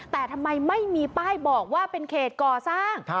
แต่ทำไมไม่มีป้ายบอกว่าเป็นเขตก่อสร้าง